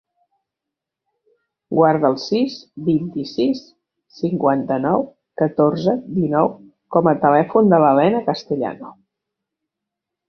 Guarda el sis, vint-i-sis, cinquanta-nou, catorze, dinou com a telèfon de l'Elena Castellano.